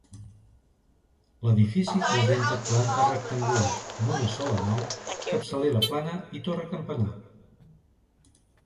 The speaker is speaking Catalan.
L'edifici presenta planta rectangular, d'una sola nau, capçalera plana i torre campanar.